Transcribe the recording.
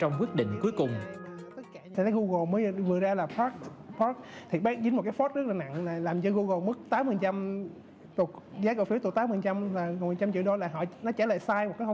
đóng vai trò clarify